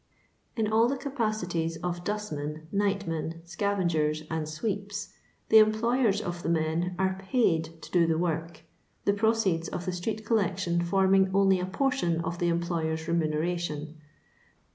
In all the capacities of dustmen, nightmen, scavengers, and sweeps, the employers of the men are paid to do the work, the proceeds of the street oollection forming only a portion of the employer's remimcration.